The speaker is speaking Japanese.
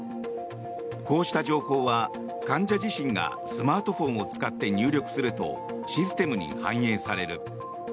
こうした情報は患者自身がスマートフォンを使って入力するとシステムに反映される。